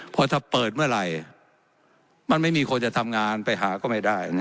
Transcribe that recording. เพราะถ้าเปิดเมื่อไหร่มันไม่มีคนจะทำงานไปหาก็ไม่ได้